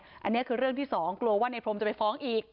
อันนี้คือเรื่องที่สองกลัวว่าในพรมจะไปฟ้องอีก